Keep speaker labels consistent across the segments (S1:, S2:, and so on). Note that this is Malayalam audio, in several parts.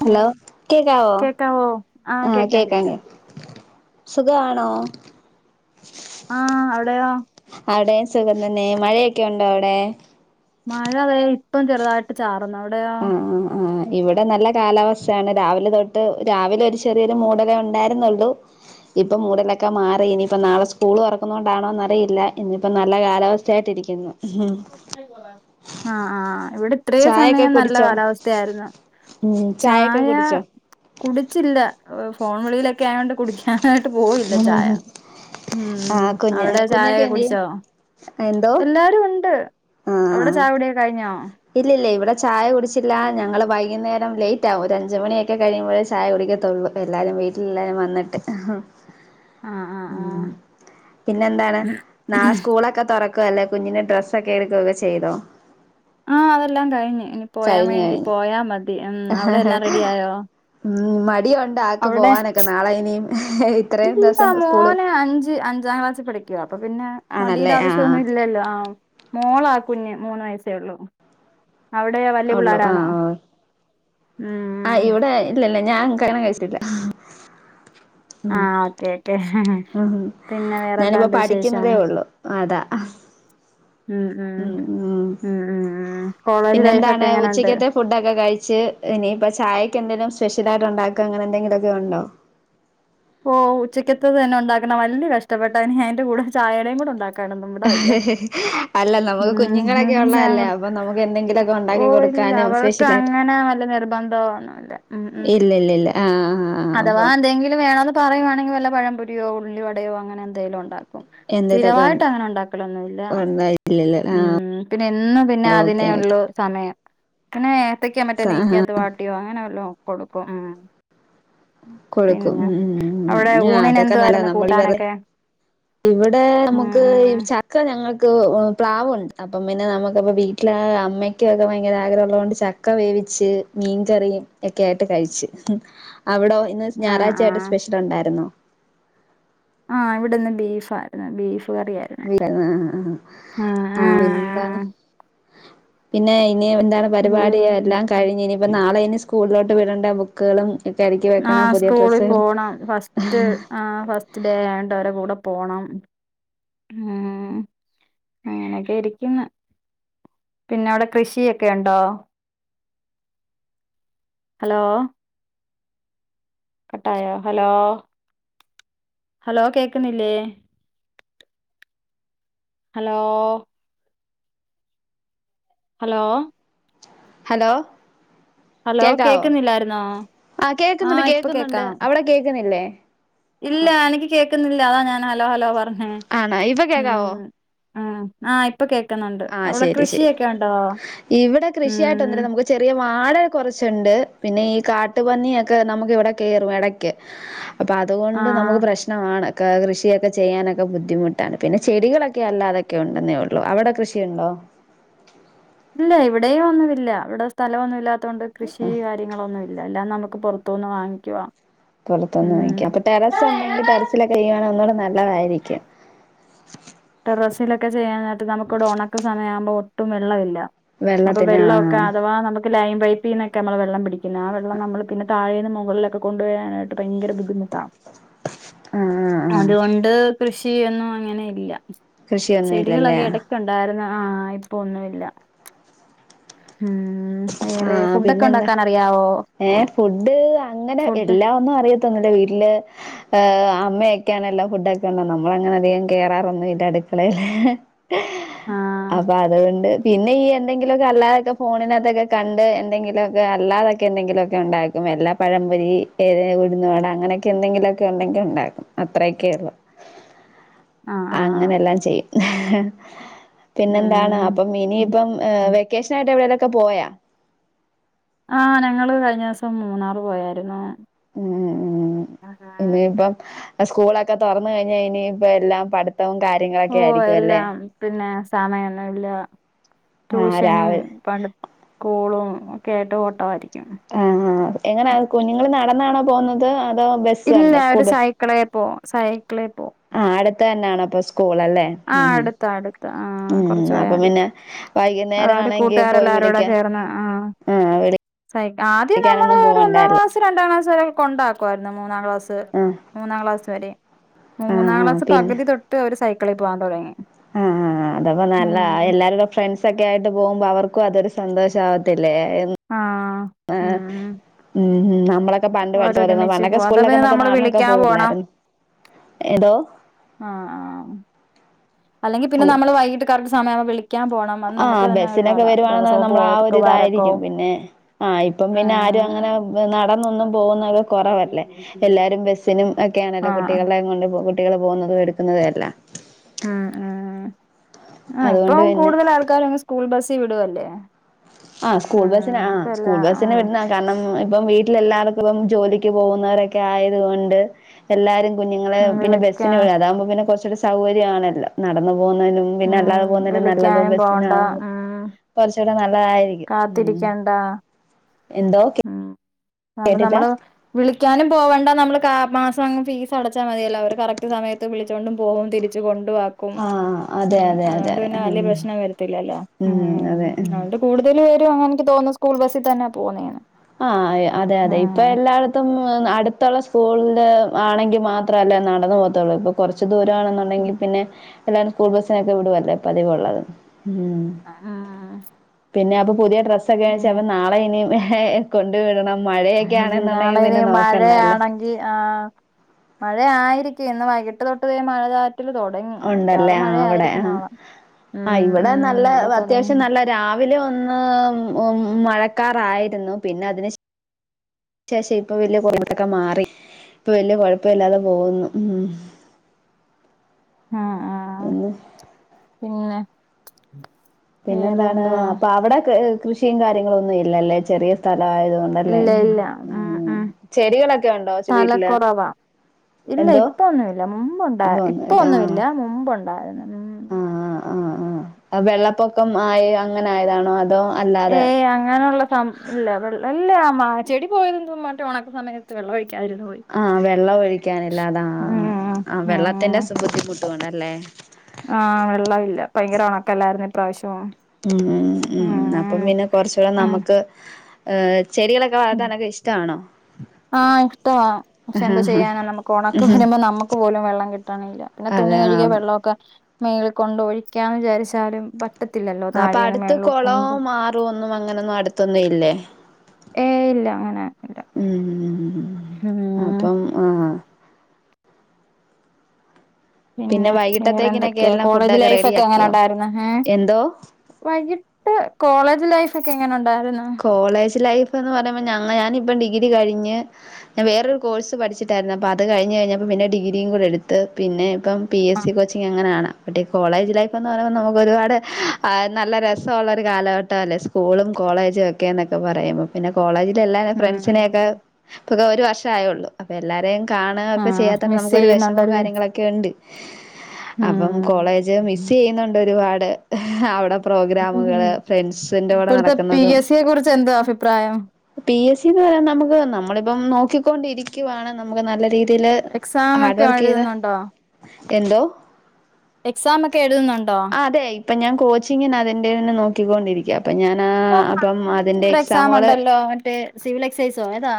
S1: ഹലോ കേക്കാവോ ആഹ് കേക്കാ കേക്കാം സുഖവാണോ
S2: ആ അവിടെയോ
S1: അവിടെ സുഖം തന്നെ മഴയൊക്കെ ഉണ്ടോ അവിടെ
S2: മഴ ദേ ഇപ്പം ചെറുതായിട്ട് ചാറ്ന്ന് അവിടെയോ
S1: ആഹ് ആഹ് ആഹ് ഇവിടെ നല്ല കാലാവർഷാണ് രാവിലെ തൊട്ട് രാവിലെ ഒരു ചെറിയൊരു മൂടലേ ഉണ്ടായിരുന്നുള്ളു ഇപ്പൊ മൂടലൊക്കെ മാറി ഇനിയിപ്പ നാളെ സ്കൂള് തുറക്കുന്ന കൊണ്ടാണോന്നറിയില്ല ഇനിയിപ്പ നല്ല കാലാവസ്ഥ ആയിട്ടിരിക്കുന്നു
S2: ആ ആ ഇവിടെ ഇത്രേ
S1: ചായൊക്കെ
S2: സമയം നല്ല
S1: കുടിച്ചോ
S2: കാലാവസ്ഥയായിരുന്നു
S1: ഉം ചായൊക്കെ
S2: ചായ
S1: കുടിച്ചോ
S2: കുടിച്ചില്ല ഫോൺ വിളിയിലൊക്കെ ആയോണ്ട് കുടിക്കാൻ എന്നട്ട് പോയില്ല ചായ
S1: ഉം
S2: ഉം
S1: ആഹ് കുഞ്ഞ്
S2: അവിടെ
S1: കുഞ്ഞൊക്കെ
S2: ചായയക്കെ
S1: എന്തിയെ
S2: കുടിച്ചോ
S1: എന്തോ
S2: എല്ലാരും ഉണ്ട് അവിടെ
S1: ആഹ്
S2: ചായ കുടിയക്കെ കഴിഞ്ഞോ
S1: ഇല്ലില്ല ഇവിടെ ചായ കുടിച്ചില്ല ഞങ്ങള് വൈകുന്നേരം ലേറ്റ് ആകും ഒരു അഞ്ച്മണിയൊക്കെ കഴിയുമ്പോഴേ ചായ കുടിക്കത്തുള്ളൂ എല്ലാരും വീട്ടില എല്ലാരും വന്നിട്ട്
S2: ആഹ് ആഹ് ആഹ്
S1: ഉം പിന്നെന്താണ് നാളെ സ്കൂളൊക്കെ തൊറ ക്കല്ലെ കുഞ്ഞിനെ ഡ്രസ്സ് ഒക്കെ എടുക്കുകയൊക്കെ ചെയ്തോ
S2: ആ അതെല്ലാം കഴിഞ്ഞ് ഇനി പോയാൻ
S1: കഴിഞ്ഞു
S2: വേണ്ടി
S1: കഴിഞ്ഞു
S2: പോയാ മതി ഉം അവിടെ എല്ലാം റെഡി ആയോ
S1: ഉം മടി
S2: അവിടെ
S1: ഇത്രയും
S2: ഇല്ല
S1: ദിവസം സ്കൂള്
S2: മോന് അഞ്ച് അഞ്ചാം ക്ലാസ്സിൽ പഠിക്കുവാ അപ്പൊ പിന്നെ
S1: ആണല്ലേ
S2: മടിയുടെ
S1: ആഹ്
S2: ആവശ്യമൊന്നും
S1: ആഹ്
S2: ഇല്ലല്ലോ ആ മോളാ കുഞ്ഞ് മൂന്ന് വയസ്സേ ഒള്ളൂ
S1: ഒള്ളു ആ ആ
S2: ഉം
S1: ഇവിടെ ഇല്ലല്ല ഞാൻ കല്യാണം കഴി
S2: ആ
S1: [unintelligible]
S2: ഓക്കെ ഓക്കെ
S1: ഉം
S2: പിന്നെ
S1: ഞാനിപ്പം
S2: വേറെന്താണ്ട് വിശേഷം
S1: പഠിക്കുന്നതേ ഒള്ളു അതാ ഉം ഉം
S2: ഉം ഉം കോളേജ് ലൈഫ് ഒക്കെ
S1: പിന്നെന്താണ്
S2: എങ്ങനെയുണ്ട്
S1: ഉച്ചക്കത്തെ ഫുഡൊക്കെ കഴിച്ച് ഇനി ഇപ്പം ചായക്ക് എന്തെലും സ് പെഷലായിട്ടുണ്ടാക്കുക അങ്ങനെ എന്തെങ്കിലോക്കെ ഉണ്ടോ
S2: ഓ ഉച്ചക്കത്തത് തന്നെ ഉണ്ടാക്ണേ വൽയെ കഷ്ട്ടപെട്ടാ ഇനി അയ്ന്റെ കൂടെ ചായയ്ടെയും കൂടെ ഉണ്ടാ [unintelligible]
S1: അല്ലല്ല നമുക്ക് കുഞ്ഞുങ്ങളൊക്കെ ഉള്ളല്ലേ അപ്പ നമുക്ക് എന്തെങ്കിലോക്കെ
S2: ഓ
S1: ഉണ്ടാക്കി
S2: ഇല്ല
S1: കൊടുക്കാനും
S2: അവർക്ക്
S1: സ്പെഷ്യലായിട്ട്
S2: അങ്ങനെ വല്ല നിർബന്ധമൊന്നുമില്ല ഉം ഉം
S1: ഇല്ലല്ലല്ല ആ ആ
S2: അഥവാ എന്തെങ്കിലും വേണോന്ന് പറയുവാണെങ്കി വല്ലോം പഴംപൊരിയോ ഉള്ളിവടയോ അങ്ങനന്തെലും ഒണ്ടാ ക്കും
S1: എന്തേലൊക്കെ
S2: സ്ഥിരവായിട്ട്
S1: ഉണ്ട്
S2: അങ്ങനെ ഒണ്ടാക്കലൊന്നു ഇല്ല
S1: ഉണ്ടായിട്ടില്ലല്ലേ ആഹ്
S2: ഉം പിന്നെ എന്നും പിന്നെ
S1: ഓക്കെ ഓക്കെ
S2: അതിനെള്ളൂ സമയം പിന്നെ ഏത്തക്ക മറ്റേ നെയ്‌ക്കാത്ത് വാട്ടിയോ അങ്ങനെവല്ലോ കൊടുക്കും ഉം
S1: കൊടുക്കും
S2: പിന്നെ
S1: ഉം ഉം
S2: അവിടെ
S1: ആഹ്
S2: ഊണിന്
S1: അതൊക്കെ നല്ലതാ
S2: എന്തുവായിരുന്നു
S1: നമ്മളിവെറ്
S2: കൂട്ടാനൊക്കെ?
S1: ഇവിടെ
S2: ഉം
S1: നമ്മുക്ക് ഈ
S2: ഉം
S1: ചക്ക ഞങ്ങക്ക് പ്ലാവോണ്ട് അപ്പം പിന്നെ നമുക്കിപ്പം വീട്ടില് ആ അമ്മയ്ക്കൊക്കെ ഭയങ്കര ആഗ്രഹം ഒള്ളോണ്ട് ചക്ക വേവിച്ച് മീൻകറിയും ഏക്കെ ആയിട്ട് കഴിച്ചു. അവിടോ ഇന്ന്
S2: ആഹ്
S1: ഞായറാഴ്ചയായിട്ട്
S2: ആഹ്
S1: സ്പെഷ്യല് ഒണ്ടായിരുന്നോ.
S2: ആഹ് ഇവിടിന്ന് ബീഫ് ആയിരുന്നു ബീ
S1: [unintelligible] ആ ആ ആഹ് പിന്നെന്താണ്? പിന്നെയ് ഇനി എന്താണ് പരിപാടി എല്ലാം കഴിഞ്ഞ് ഇനിപ്പോ നാളെ ഇനി സ്കു സ്കൂളിലോട്ട് വിടണ്ടേ ബുക്ക്കളും.
S2: ആ സ്കൂളി പോണം ഫസ്റ്റ് ആ ഫസ്റ്റ് ഡേ ആയൊണ്ട് അവരെ കൂടെ പോണം ഉം അങ്ങനൊക്കെ ഇരിക്കുന്ന് പിന്നെ അവിടെ കൃഷിയൊക്കെ ഒണ്ടോ? ഹലോ കട്ടായോ ഹലോ ഹലോ കേൾക്കണില്ലേ ഹലോ ഹലോ
S1: ഹലോ
S2: ഹലോ
S1: കേക്കാവോ
S2: കേക്കുന്നില്ലായിരുന്നോ
S1: ആഹ് കേക്കുന്നുണ്ട്
S2: ഇപ്പൊ
S1: കേക്കുന്നുണ്ട്
S2: കേക്കാം
S1: അവിടെ കേക്കുന്നില്ലേ.
S2: ഇല്ല എനിക്ക് കേക്ക്‌ന്നില്ല അതാ ഞാൻ ഹലോ ഹലോ പറഞ്ഞേ
S1: ആണോ ഇപ്പൊ
S2: ഉം.
S1: കേക്കാവോ
S2: ആഹ് ആ ഇ
S1: ആഹ് ശരി ശരി ഇവിടെ
S2: ഉം
S1: കൃഷിയായിടൊന്നുല്ല നമുക്ക് ചെറിയ വാഴ കുറച്ചുണ്ട് പിന്നെ ഈ കാട്ടുപന്നിയൊക്കെ നമുക്ക് ഇവിടെ കയറും ഇടക്ക്. അപ്പം അതുകൊണ്ട്
S2: ആഹ്
S1: നമുക്ക് പ്രശ്നമാണ്. കൃഷിയൊക്കെ ചെയ്യാനൊക്ക ബുദ്ധിമുട്ടാണ് പിന്നെ ചെടികളൊക്കെ അല്ലാതൊക്കെ ഉണ്ടെന്നേ ഉള്ളൂ അവിടെകൃഷി ഷി യുണ്ടോ
S2: ഇല്ല ഇവിടെയും ഒന്നുമില്ല ഇവിടെ സ്ഥലംമൊന്നും ഇല്ലാത്ത കൊണ്ട് കൃഷി
S1: ആഹ്
S2: കാര്യങ്ങളൊന്നും ഇല്ല അല്ല നമുക്ക്. പുറത്തുനിന്ന് വാങ്ങിക്കുവാ.
S1: പുറത്തനിന്ന് വാങ്ങിക്ക അപ്പോ ടെറസ്ഉണ്ടെങ്കി
S2: ഉം
S1: ടെറസിലക്കെ ഒന്നുടെ നല്ല നല്ലതായിരിക്കും.
S2: ടെറസിലൊക്കെ ചെയ്യാനായിട്ട് നുക്കിവിടെ ഉണക്ക് സമയം ആവുമ്പോ ഒട്ടും വെള്ളമില്ല. അപ്പോ
S1: വെള്ളത്തിന്
S2: വെള്ളമൊക്കെ
S1: ആഹ്
S2: അഥവാ നമു ലൈൻ പൈപ്പിന്നൊക്കെ നമ്മള് വെള്ളം പിടിക്കുന്ന ആ വെള്ള നമ്മൾ പിന്നെ താഴേന്നു മുകളിലൊക്കെ കൊണ്ടു വരാനായിട്ട് ഭയങ്കര ബുദ്ധിമുട്ട്.
S1: ആഹ് ആഹ് ആഹ്
S2: അതുകൊണ്ട് കൃഷി. ഷിയൊന്നു അങ്ങനെ ഇല്ല.
S1: കൃഷിയൊന്നും ഇല്ലല്ലേ
S2: ചെടികളൊക്കെ ഇടക്ക് ഉണ്ടാരുന്നാ. അ ഇപ്പം ഒന്നും ഇല്ല
S1: ആഹ പിന്നെ എന്ന
S2: അറിയാവോ
S1: ഏ ഫുഡ് അങ്ങനെ
S2: ഫുഡ്
S1: എല്ലാ ഒന്നും അറിയത്തോന്നുല്ല വീട്ടില് ഏഹ് അമ്മയൊക്കെ ആണല്ലോ ഫുടൊക്കെ യോണ്ട് നമ്മള് അങ്ങനെ അധികം ഒന്നും കേററൊന്നും ഇല്ല അടുക്കളേൽ
S2: ആ
S1: അപ്പൊ അതുകൊണ്ട് പിന്നെ ഈ എന്തെങ്കിലൊക്കെ അല്ലാതൊക്കെ ഫോണിൻ അ അതൊക്കെ കണ്ട് എന്തെങ്കിലുഒക്കെ അല്ലാതൊക്കെ എന്തെങ്കിലുഒക്കെ ഉണ്ടാക്കും എല്ലാ പഴമ്പൊരി ഏഹേ ഉഴുന്നുവട അങ്ങനെയൊക്കെ എന്തെങ്കിലുഒക്കെ ഉണ്ടെങ്കിൽ ഉണ്ടാക്കും അത്രയൊക്കെ ഉള്ളു
S2: ആ ആ
S1: അങ്ങനെല്ലാം ചെയ്യും [inaudible] പിന്നെ എന്താണ്
S2: ഉം
S1: അപ്പം ഇനിയിപ്പം ഏ വെക്കേഷൻ ആയിട്ട് എവിടെ പ്പം പോയ
S2: അ ഞങ്ങള് കഴിഞ്ഞ ദിവസം മൂന്നാർ പോയായിരുന്നു
S1: മ് മ് ഇനിയിപ്പം സ്കൂളൊക്കെ തുറന്ന് കഴിഞ്ഞാൽ ഇനിയിപ്പം എല്ലാം പഠ
S2: ഓ എല്ലാം പിന്നെ സമയൊന്നുഇല്ല
S1: ആഹ്
S2: ട്യൂഷനും
S1: രാവിലെ
S2: പണ്ട് സ്കൂളും ഒക്കെആയിട്ട് ഓട്ടമായിരിക്കും
S1: ആഹ ആ എങ്ങനാ കുഞ്ഞുങ്ങൾ നടന്നാണോ പോകുന്നത് അ
S2: ഇല്ല അവര് സൈക്കളെ പോവും സൈക്കിളെ പോ
S1: ആ അടുത്ത് തന്നണ് അപ്പൊ സ്
S2: ആഅ അടുത്താ അടുത്ത ആ
S1: ഉം
S2: കൊറച്ചു
S1: അപ്പൊ
S2: പോയാമതി
S1: പിന്നെ
S2: ആ
S1: വൈകുന്നേരം
S2: അവര്
S1: ആണെങ്കി പോയി
S2: കൂട്ടുകാരെല്ലാരോട
S1: വിളിക്കാം
S2: ചേർന്ന് ആ
S1: ആഹ്
S2: സൈ ആദ്യം നമ്മള്
S1: വിളിക്കാനൊന്നും
S2: ഒരു ഒന്നാം
S1: പോവണ്ടാല്ലേ
S2: ക്ലാസ്സ്‌ രണ്ടാം ക്ലാസ്സ് സ്‌വരെ കൊണ്ടാക്കുവരുന്നു മൂന്നാം ക്ലാസ്സ്‌
S1: ആഹ്
S2: മൂന്നാം ക്ലാസ്സ് വരെ
S1: ആഹ്
S2: മൂന്നാം
S1: ആഹ്
S2: ക്ലാസ് പകുതി തൊട്ട് അവര് സ്‌ ക്കൂളി പോവാൻ തൊടങ്ങി
S1: ആ ആ ആ അതാപറഞ്ഞേ അല്ല എല്ലാവരും ഓരോ ഫ്രണ്ട്സ്‌ ഒക്കെ ആയിട്ട് പോകുമ്പോ അവർക്കും അതൊരു സ സന്തോഷ ആവത്തി അല്ലെ എന്നു
S2: ആ
S1: അ
S2: ഉം
S1: മ്മ് മ്മ് നമ്മളൊക്കെ പണ്ട് പഠിച്ചപോലെ
S2: അവരൊരുമിച്ച്
S1: പണ്ടൊക്കെ
S2: പോവും അതാ പിന്നെ
S1: സ്കൂളിലൊക്കെ
S2: നമ്മള്
S1: നടന്നൊക്കെ
S2: വിളിക്കാൻ പോണം
S1: പോവില്ലായിരുന്നു ഏതോ
S2: അല്ലെങ്കിൽ പിന്നെ നമ്മൾ വൈകിട്ട് ക സമയവുമ്പം വിളി
S1: ആ ബെസ്സിനൊക്കെ വരുവാണെന്നുണ്ടേൽ നമ്മൾ ആ ഒരു
S2: പോക്ക്
S1: ഇത് ആയിരിക്കും
S2: വരക്കവും
S1: പിന്നെ ആ ഇപ്പം പിന്നെ ആരും അങ്ങനെ ബ നടന്ന് ഒന്നും പോവുന്നെ ഓക്കെ കൊറവ് അല്ലെ എല്ലാരും ബെസ്സിനും ഓക്കെ ആണല്ലോ
S2: ആഹ്
S1: കുട്ടികളേം കൊണ്ട് കുട്ടികൾ പോകുന്നതും എടുക്കുന്നതും എല്ലാം
S2: ആ ആ ആ ആ
S1: അതുകൊണ്ട്
S2: ഇപ്പം
S1: പിന്നെ
S2: കൂടുതൽ ആൾക്കാരും സ്കൂൾ ബസ്സ് സ്സിവിടുവല്ലേ
S1: ആ സ്കൂൾ ബസ്സിനാ ആ സ്കൂൾ ബസ്സിന്
S2: ഉം
S1: വിടുന്നെ കാരണം ഇപ്പം വീട്ടിലെല്ലാവർക്കും ജോലിക്ക് പോകുന്നവരൊക്കെ ആയതുകൊണ്ട് എല്ലാരും കുഞ്ഞുങ്ങള്
S2: ഉം
S1: പിന്നെ
S2: വിളിക്കാ
S1: ബസ്സിന് വിടും അതാവുമ്പോ പിന്നെ കുറച്ചുകൂടി സൗകര്യാണല്ലോ നടന്നു പോവുന്നതിനും പിന്നെ
S2: ഉം
S1: അല്ലാതെ പോകുന്നതിനും നല്ലത്
S2: വിളിക്കാനും പോണ്ട
S1: ബസ്സിനാവുമ്പൊ
S2: ഉം
S1: കൊറച്ച് ച്ചൂടെ നല്ലതാ
S2: കാത്തിരിക്കണ്ട
S1: എന്തോ കേ
S2: ആ അപ്പ നമ്മള് വിളിക്കാനും പോവണ്ട നമ്മള് ക്ക മാസം ഫീസ് അടച്ചാ മതിയല്ലോ അവര് കറക്റ്റ് സമയത്ത് വിളിച്ചൊണ്ടും പോവും തിരിച്ചു കൊണ് ണ്ടുവാക്കും
S1: ആഹ് അതെ
S2: ഉം
S1: അതെ അതെ
S2: അതോണ്ട്
S1: അതെ
S2: പിന്നെ വലിയ
S1: ഉം
S2: പ്രശ്നം വരത്തില്ലാല ഉം
S1: അതെ ഉം
S2: അതോണ്ട് കൂടുതൽ പേരും അങ്ങ എനിക്ക് തോന്നുന്നു സ്കൂൾ ബസ്സി തന്നെ പോവുന്നെയാണ്
S1: ആ അതെ അതെ ഇപ്പൊ എല്ലായിടത്തും അടത്തൊള്ള സ്കൂള് ആണെങ്കി മാത്രല്ലേ നടന്നു പോകാത്തൊള്ളൂ ഇപ്പ കൊറച്ച് ദൂരാണെന്നുണ്ടെങ്ങി പിന്നെ എല്ലാരും സ്കൂൾ ബസ്സിനൊക്കെ വിടുവല്ലേ പതിവ് ഉള്ളത് ഉം
S2: ആഹ്
S1: പിന്നെ അപ്പൊ പുതിയ ഡ്രസ്സ്
S2: പിന്നെ
S1: ഒക്കെ [unintelligible] നാളെ ഇനിം [unintelligible] കൊണ്ട് വിടണം
S2: അങ്ങനെ ഒരു നാളെ
S1: ആണെന്നുണ്ടെങ്കിൽ
S2: ഇനി
S1: പിന്നെ നോക്കണ്ടല്ലേ
S2: മഴയാണെങ്കി ആഹ് മഴ ആയിരിക് [unintelligible] ഇന്ന് വൈകിട്ട് തൊട്ട് ദേ മഴ ചാ
S1: ഉണ്ടല്ലേ ആഹ് അവടെ ആഹ്
S2: നാളെ
S1: ആ
S2: ഉം
S1: ഇവടെ
S2: ഉം
S1: നല്ല
S2: ഇവിടെ തുടങ്ങി
S1: അത്യാവശ്യം നല്ല രാവിലെ ഒന്ന് ഒ മഴക്കാറായിരുന്നു പിന്നെ അതിന് ശേഷം ഇപ്പൊ വല്യ [unintelligible] മാറി ഇപ്പ വല്യ കോഴപ്പുല്ലാതെ പോകുന്നു ഉം
S2: ആഹ് ആഹ്
S1: പിന്നെ
S2: പിന്നെ വേറെ
S1: പിന്നെന്താണ്
S2: എന്തുവാ
S1: അപ്പ അവിടെക്ക് കൃഷിയും കാര്യങ്ങളൊന്നും ഇല്ലാല്ലേ ചെറിയ സ്ഥല ആയതുകൊണ്ടല്ലേ
S2: ഇല്ല ഇല്ല ഉം ഉം
S1: ചെടികളൊക്കെ ഉണ്ടോ വീട്ടില്
S2: സ്ഥലക്കൊറവ ഇല്ല
S1: എന്തോ
S2: ഇപ്പൊന്നുല്ല മുമ്പുണ്ടാ-
S1: പോന്നിട്ട് ആഹ്
S2: ഇപ്പൊന്നുല്ല മുമ്പുണ്ടായിരുന്നു ഉം
S1: ആ ആ വെള്ളപ്പൊക്ക ക്കം ആയി അങ്ങനെ ആയതാണോ അതോ അല്ലാതെ
S2: ഏഹ് അങ്ങനെയുള്ള ഇല്ല വെള്ളല്ല അമ്മ ചെടി പോയത് എന്ത മറ്റ ഉണക്ക സമയത്ത് വെള്ളൊഴിക്ക
S1: ആഹവെള്ളം ഒഴിക്കാനില്ലാതാ
S2: ഉം
S1: ആഹ് വെള്ളത്തിന്റെ ബുദ്ധിമുട്ട്. തണല്ലേ
S2: ആഹ! വെള്ളമില്ല ഭയങ്കര ഉണക്കല്ലായിരുന്നു ഇപ്രാവശ്യം.
S1: ഉ ഉം അപ്പം പിന്നെ കൊറച്ചൂടെ നമ്മുക്ക് ആഹ
S2: ഉ ആഹ! ഇഷ്ടവാ. പക്ഷെ എന്താ ചെയ്യാന നമുക്ക് ഉണക്ക വരുമ്പോ നമ്മുക്ക് പോലും വെള്ളം കിട്ടണല്ല പിന്നെ തുണി
S1: അതെ
S2: കഴുകിയ
S1: ആഹ്
S2: വെള്ളമൊക്കെ മേളിൽ കൊണ്ട് ഒഴിക്കാന്ന് വിചാരിച്ചാലും പ
S1: അപ്പൊ അടുത്ത് കുളവും മാറും ഒന്നും അങ്ങനൊന്നും അടുത്തൊന്നും ഇല്ലേ?
S2: ഏയ് ഇല്ല അങ്ങനെ ഇല്ല
S1: ഉം അപ്പം ആഹ്
S2: പിന്നെ
S1: വൈകിട്ടത്തേക്കിനൊക്കെ
S2: വേറെന്തൊക്കെയാ.
S1: എല്ലാം
S2: കോളേജ്
S1: ഫുഡൊക്കെ
S2: ലൈഫ്
S1: റെഡി
S2: ഒക്കെ
S1: ആക്കിയോ
S2: അങ്ങനെണ്ടായിരുന്ന്‌? മ്
S1: എന്തോ
S2: വൈകിട്ട് കോളേജ് ലൈഫ് ഒക്കെങ്ങനെയണ്ട്
S1: കോളേജ് ലൈഫ് ഇപ്പന്ന് പറയുമ്പോൾ ഞ ഞാനിപ്പം ഡിഗ്രി കഴിഞ്ഞ് ഞാൻ വേറൊരു കോഴസ് പഠിച്ചിട്ടായിരുന്നു അപ്പൾ അത് കഴിഞ്ഞ കഴിഞ്ഞപ്പ പിന്നേ ഡിഗ്രും കൂടെ എടുത്ത് പിന്നെ ഇപ്പം പി
S2: ആ
S1: എസ് സി കോച്ചിങ്ങ് അങ്ങനാണ് പ കോളേജ് ലൈഫ് എന്ന് പറയുമ്പോൾ നമുക്ക് ഒരുപാട് നല്ല രസമുള്ള ഒരു കാലഘട്ടം അല്ലേ സ്കൂളും കോളേജ് ക്കെ എന്നൊക്കെ പറയുമ്പോ പിന്നെ കോളേജ് െല്ലും ഫ്രണ്ട്സിനെയൊക്കെ
S2: ഉം
S1: ഇപ്പക്കെ ഒരു വർഷ ആയുള്ളൂ അപ്പോൾ എല്ലാരേം കാണുക ഒക്കെ
S2: ആഹ്
S1: ചെയ്യാത്ത തന്നെ
S2: മിസ്
S1: നമുക്കൊരു വിഷമവും
S2: ചെയ്യുന്നുണ്ടല്ലേ
S1: കാര്യങ്ങളൊക്കെ ഉണ്ട്. അപ്പം
S2: ഉം
S1: കോളേജ് മിസ് ചെയ്യുന്നുണ്ട് ഒരുപാട്. [unintelligible] അവിടെ പ്രോഗ്രാമുകള് ഫ്രണ്ട്സിന്റെ കൂടെ
S2: ഇപ്പോഴത്തെ പി
S1: നടക്കുന്നതും
S2: എസ് സിയെ കുറിച്ച് എന്താ അഭിപ്രായം
S1: പി എസ് സിന്ന് പറയാൻ നമുക്ക് നമ്മള അപ്പം നോക്കിക്കൊണ്ടിരിക്കുവാണ് നമുക്ക് നല്ല രീതി
S2: [unintelligible] ഉണ്ടോ?
S1: എന്തോ?
S2: എഴുതുന്നുണ്ടോ
S1: ആ അതെ ഇപ്പൊ ഞാൻ കോച്ചിങ്ങിന അതിന്റെന്നെ നോക്കി കട്ടിക്കൊണ്ടിരിക്കാ അപ്പം ഞാൻ ആ
S2: ഇപ്പൊ
S1: ആ ഇപ്പം
S2: ആറാം തീയതി
S1: അതിന്റെ
S2: ഒരു എക്സാം
S1: എക്സാമുകൾ
S2: ഉണ്ടല്ലോ മറ്റേ സിവിൽ എക്സൈസോ ഏതാ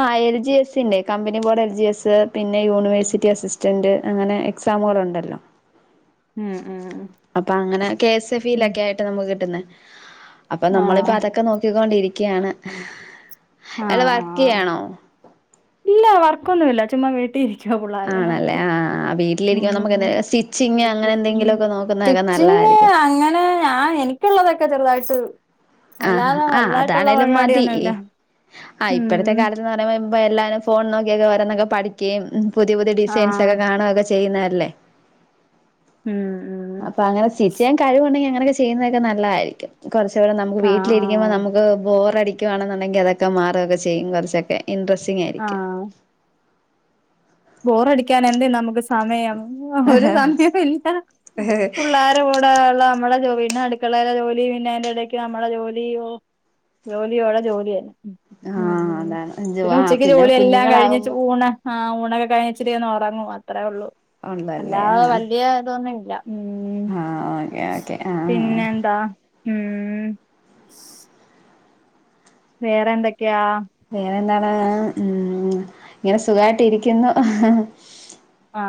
S1: ആ എൽ ജി എസ് ന്റെ company board L G S പിന്നെ യൂണിവേഴ്സിറ്റി അസിസ്റ്റന്റ് അങ്ങനെ എക്സാമുകൾ ഉണ്ടല്ലോ
S2: ഉം ഉം
S1: അപ്പൊ അങ്ങനെ കെ എസ്
S2: ഉം
S1: എഫിയിലൊക്കെ ആയിട്ട് നമുക്ക് കിട്ടുന്നേ അപ്പ നമ്മള പ്പ
S2: ആഹ്
S1: അതൊക്കെ നോക്കി കൊണ്ടിരി ക്കെയാണ് അല്ല വർക്ക്യ്യാണോ
S2: വർക്കൊന്നൂല ചുമ്മാ വീട്ടിരി ക്ക്യോ പിള്ളോരേ
S1: ആണല്ലേ
S2: നോക്കി
S1: ആഹ് വീട്ടിലിരിക്കുമ്പോ നമുക്ക് എന്ത
S2: മ്
S1: സ്റ്റിച്ചിങ് അങ്ങനെ
S2: [inaudible]
S1: എന്തെങ്കിലുമൊക്കെ നോക്കുന്നതൊക്കെ
S2: സ്റ്റിച്ചിങ്
S1: നല്ലതായിരിക്കും
S2: അങ്ങനെ ആ എനിക്ക്‌ള്ളതൊക്കെ ചെറുതായി ത്ത്
S1: അ അ അതാണേലും മതി
S2: പരിപാടിയൊന്നുമില്ല
S1: അ
S2: ഉം
S1: ഇപ്പഴത്തെ കാലത്ത്ന്ന് പറയുമ്പ [unintelligible] എല്ലാരും ഫോൺ നോക്കി ഒക്കെ ഓരോന്നൊക്കെ പഠിക്കെയും പുതിയ പുതിയ ഡിസൈൻസ്
S2: ആഹ്
S1: ഒക്കെ കാണു ഒക്കെ ചെ ചെയ്യുന്നെല്ലേ
S2: ഉം ഉം
S1: അപ്പ അങ്ങനെ സ്വിചെയ്യാൻ കഴിവുണ്ടെ അങ്ങ അങ്ങനെയൊക്കെ ചെയ്യുന്നോക്കെ നല്ലായിരിക്കും കൊർച്ചൂടെ നമുക്ക്
S2: ആഹ്
S1: വീട്ടിലിരിക്കുമ്പ
S2: ആഹ്
S1: നമുക്ക് ബോറടി ക്ക്യോ ആണെന്നുണ്ടെങ്കി അതൊക്കെ മാറൊക്കെ ചെയ്യും കൊർച്ചൊക്കെ ഇൻട്രസ്റ്റിങ് ആയിരിക്കും
S2: ആഹ് ബോറടിക്കാനെന്തെ നമുക്ക് സമയം [unintelligible] പുള്ളേരെകൂടെ ള്ള നമ്മളെ ജോ പിന്നെ അടുക്കളെലെ ജോലി പിന്നെ അതിന്റെ ഇടക്ക് നമ്മളെ ജോലി ഓ ജോലിയോടെ ജോലിന്നെ ഉം
S1: ആഹ്
S2: ഉ
S1: അതാണ്
S2: പിന്നെ
S1: ആഹ്
S2: ഉച്ചക്ക് ജോലി എല്ലാം കഴിഞ്ഞിച്ച്
S1: കുഞ്ഞുങ്ങളാകുമ്പോ
S2: ഊണ് ആ ഊ കഴിച്ച് തീർന്ന് ഉറങ്ങു അത്രേ ഉള്ളൂ അല്ലാ വലിയതോന്നെ
S1: ആ ഓകെ ഓക്കെ അ ആ
S2: പിന്നെന്താ ഉം വേറെ എന്തൊക്കെയാ
S1: വേറെ എന്താണ് മ് ഇങ്ങനെ സുഖായിട്ട് ഇരിക്കുന്നു
S2: ആ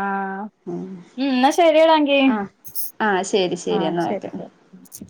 S2: മ് എന്ന ശരിഎടാങ്കി
S1: ആഹ് ആഹ് ശരി
S2: ആ
S1: എന്നാ
S2: ശരി
S1: ഓക്കെ
S2: ശരി